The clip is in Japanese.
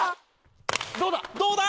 どうだ？